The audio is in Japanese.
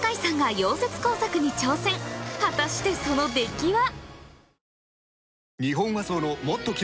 果たしてその出来は？